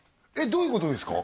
どういうことですか？